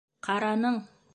Ҡараның!